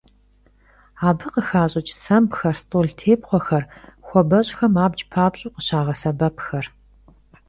Abı khıxaş'ıç' sembxer, st'oltêpxhuexer, xuabeş'xem abc papş'eu khışağesebepxer.